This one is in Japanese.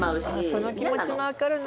その気持ちも分かるな。